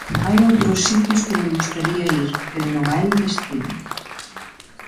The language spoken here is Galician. Hai outros sitios que me gustaría ir, pero non hai o destino.